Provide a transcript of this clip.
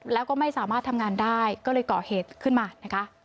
แล้วก็ไม่สามารถทำงานได้ก็เลยก่อเหตุขึ้นมานะคะ